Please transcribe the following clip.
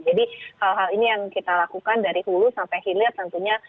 jadi hal hal ini yang kita lakukan dari hulu sampai hilir tentunya